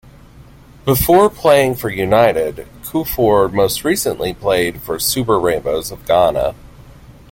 Before playing for United, Kuffour most recently played for Super Rainbows of Ghana.